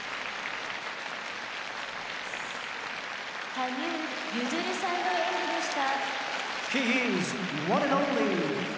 「羽生結弦さんの演技でした」。